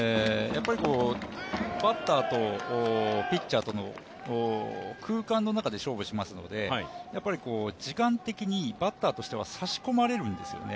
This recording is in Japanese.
バッターとピッチャーとの空間の中で勝負しますので、やっぱり時間的にバッターとしては差し込まれるんですよね。